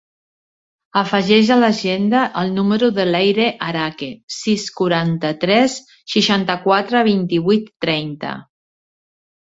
Afegeix a l'agenda el número de l'Eire Araque: sis, cinquanta-tres, seixanta-quatre, vint-i-vuit, trenta.